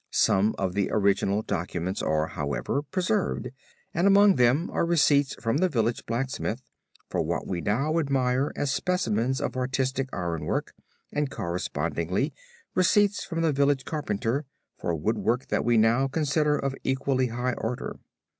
Some of the original documents are, however, preserved and among them are receipts from the village blacksmith, for what we now admire as specimens of artistic ironwork and corresponding receipts from the village carpenter, for woodwork that we now consider of equally high order.